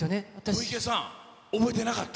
小池さん、覚えてなかった？